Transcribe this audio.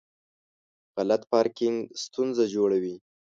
غلط پارکینګ ستونزه جوړوي.